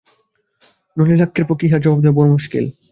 নলিনাক্ষের পক্ষে ইহার জবাব দেওয়া বড়ো মুশকিল।